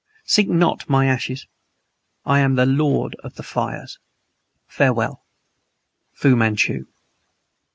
Seek not my ashes. I am the lord of the fires! Farewell. "FU MANCHU."